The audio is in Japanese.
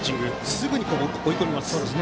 すぐに追い込みます。